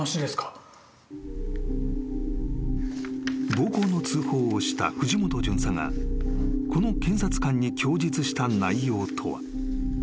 ［暴行の通報をした藤本巡査がこの検察官に供述した内容とは］